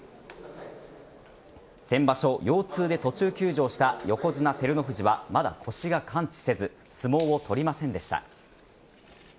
先場所、腰痛で途中休場した横綱・照ノ富士はまだ腰が完治せず相撲を取りませんでした。